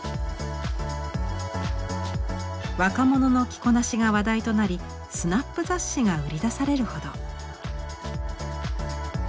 若者の着こなしが話題となりスナップ雑誌が売り出されるほど。